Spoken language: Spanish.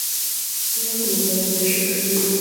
Pega con poder de shock seguro.